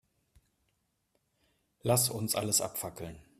Lass uns alles abfackeln.